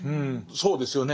そうですよね。